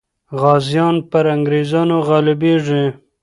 غازیان پر انګریزانو غالبېږي.